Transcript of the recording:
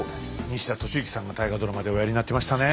西田敏行さんが大河ドラマでおやりになってましたね。